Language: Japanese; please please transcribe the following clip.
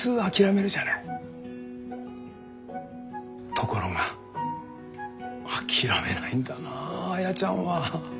ところが諦めないんだなアヤちゃんは。